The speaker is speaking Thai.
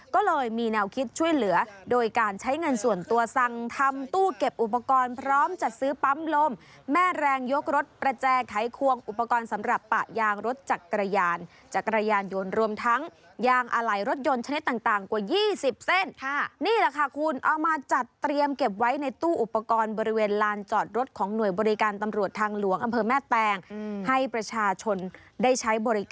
ก็เลยมีแนวคิดช่วยเหลือโดยการใช้เงินส่วนตัวสั่งทำตู้เก็บอุปกรณ์พร้อมจัดซื้อปั๊มลมแม่แรงยกรถประแจไขควงอุปกรณ์สำหรับปะยางรถจักรยานจักรยานยนต์รวมทั้งยางอาลัยรถยนต์ชนิดต่างต่างกว่ายี่สิบเส้นนี่แหละค่ะคุณเอามาจัดเตรียมเก็บไว้ในตู้อุปกรณ์บริเวณลานจ